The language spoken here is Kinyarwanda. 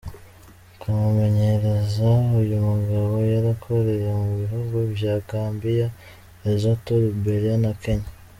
Ka mumenyereza, uyu mugabo yarakoreye mu bihugu vya Gambia ,Lesotho, Liberia na Kenya .